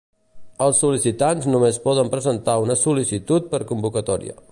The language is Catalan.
Els sol·licitants només poden presentar una sol·licitud per convocatòria.